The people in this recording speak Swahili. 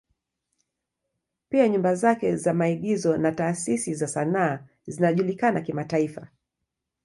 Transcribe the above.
Pia nyumba zake za maigizo na taasisi za sanaa zinajulikana kimataifa.